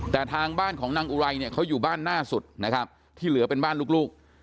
แต่ทางบ้านของนางอุไรเนี่ยเขาอยู่บ้านหน้าสุดนะครับที่เหลือเป็นบ้านลูก